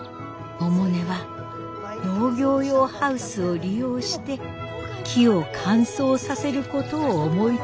百音は農業用ハウスを利用して木を乾燥させることを思いついたのです。